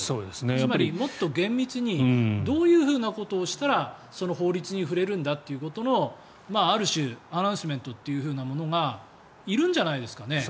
つまり、もっと厳密にどういうことをしたらその法律に触れるんだということのある種アナウンスメントというものがいるんじゃないですかね。